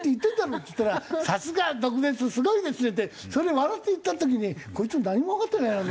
っつったら「さすが毒舌すごいですね」ってそれ笑って言った時にこいつ何もわかってないなと。